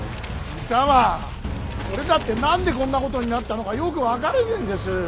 俺だって何でこんなことになったのかよく分からねえんです。